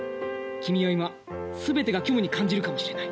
君は今全てが虚無に感じるかもしれない。